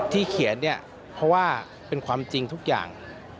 เขียนเนี่ยเพราะว่าเป็นความจริงทุกอย่าง